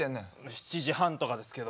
７時半とかですけど。